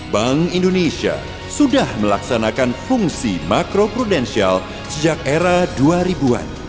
bank indonesia sudah melaksanakan fungsi makro prudensial sejak era dua ribu an